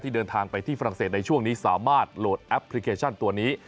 เดินทางไปที่ฝรั่งเศสในช่วงนี้สามารถโหลดแอปพลิเคชันตัวนี้